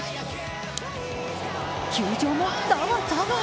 球場もざわざわ。